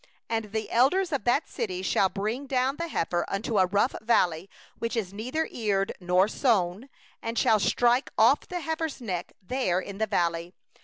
4And the elders of that city shall bring down the heifer unto a rough valley, which may neither be plowed nor sown, and shall break the heifer's neck there in the valley.